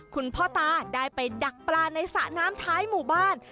คุณพ่อตาได้ไปดักปลาในสระน้ำท้ายหมู่บ้าน